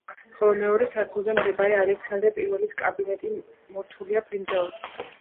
ხოლო მეორე სართულზე მდებარე ალექსანდრე პირველის კაბინეტი მორთულია ბრინჯაოთი.